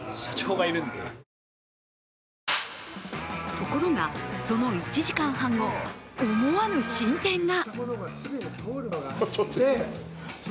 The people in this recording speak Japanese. ところがその１時間半後思わぬ進展が。